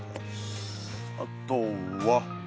あとは。